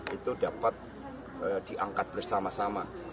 itu dapat diangkat bersama sama